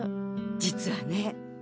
実はね。